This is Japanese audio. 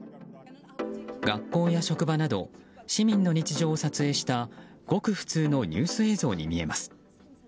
学校や職場など市民の日常を撮影したごく普通のニュース映像に見えます。